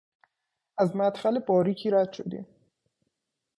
از مدخل باریکی رد شدیم.